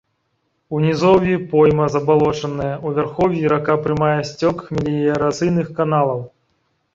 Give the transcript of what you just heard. У нізоўі пойма забалочаная, у вярхоўі рака прымае сцёк меліярацыйных каналаў.